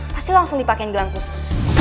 pasti lo langsung dipakein gelang khusus